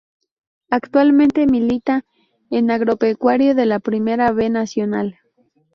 Actualmente milita en Agropecuario de la Primera B Nacional.